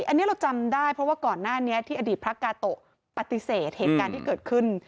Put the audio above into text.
อันนี้เราจำได้เพราะว่าก่อนหน้านี้ที่อดีตพระกาโตะปฏิเสธเหตุการณ์ที่เกิดขึ้น